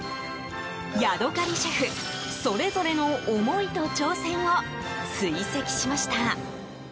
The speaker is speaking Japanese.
ヤドカリシェフそれぞれの思いと挑戦を追跡しました。